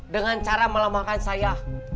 dengan cara melemahkan saya